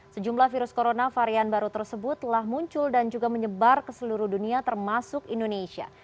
sejumlah virus corona varian baru tersebut telah muncul dan juga menyebar ke seluruh dunia termasuk indonesia